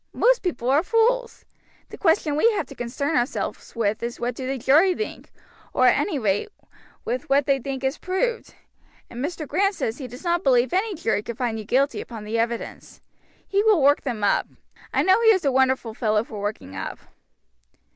Most people are fools. The question we have to concern ourselves with is what do the jury think, or at any rate with what they think is proved, and Mr. Grant says he does not believe any jury could find you guilty upon the evidence. He will work them up. I know he is a wonderful fellow for working up."